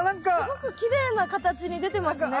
すごくきれいな形に出てますね。